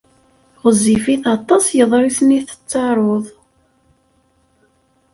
Ɣezzifit aṭas yeḍrisen i tettaruḍ.